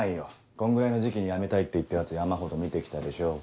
こんぐらいの時期に辞めたいって言ったヤツ山ほど見て来たでしょ。